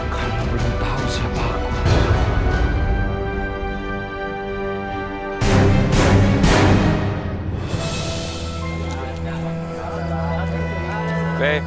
karena belum tahu siapa aku